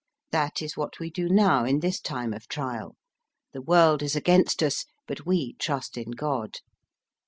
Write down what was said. That is what we do now in this time of trial. The world is against us, but we trust in God."